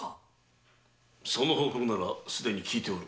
その報告ならすでに聞いておる。